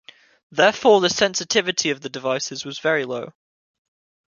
Therefore, the sensitivity of the devices was very low.